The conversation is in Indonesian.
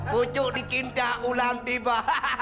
pucuk dikinta ulang tiba